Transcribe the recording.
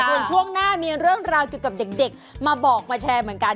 ส่วนช่วงหน้ามีเรื่องราวเกี่ยวกับเด็กมาบอกมาแชร์เหมือนกัน